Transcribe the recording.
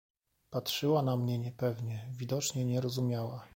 "Patrzyła na mnie niepewnie; widocznie nie rozumiała."